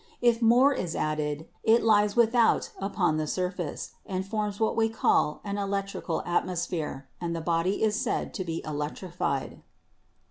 If more is added, it lies without upon the surface, and forms what we call an electrical atmos phere, and the body is said to be electrified.